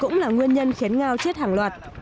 nguyên nhân khiến ngao chết hàng loạt